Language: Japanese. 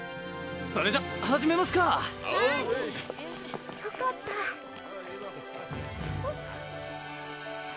それじゃ始めますかおうよかったうん？